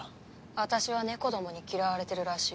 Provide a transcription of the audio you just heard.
私はネコどもに嫌われてるらしい。